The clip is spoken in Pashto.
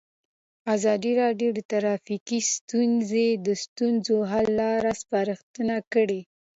ازادي راډیو د ټرافیکي ستونزې د ستونزو حل لارې سپارښتنې کړي.